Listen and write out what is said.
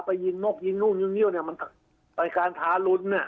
ไปยิงมกยิงนู่นงานู่นวันไปการทารุนเนี่ย